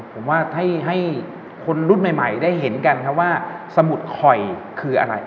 ผมว่าให้คนรุ่นใหม่ได้เห็นกันครับว่าสมุดคอยคืออะไร